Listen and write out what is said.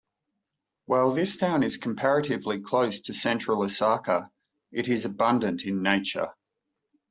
While this town is comparatively close to central Osaka, it is abundant in nature.